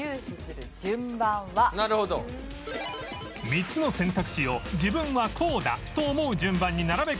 ３つの選択肢を自分はこうだ！と思う順番に並べ替える問題